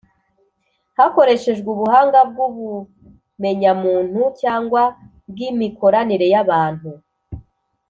hakoreshejwe ubuhanga bw’ubumenyamuntu cyangwa bw’imikoranire y’abantu.